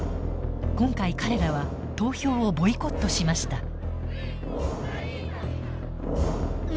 今回彼らは投票をボイコットしました。